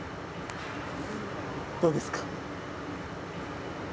どうですか？